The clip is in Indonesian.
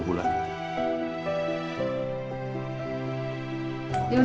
yaudah terima kasih bu